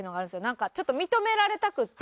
なんかちょっと認められたくて。